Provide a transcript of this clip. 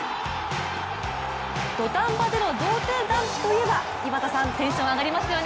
土壇場での同点弾といえば井端さんテンション上がりますね。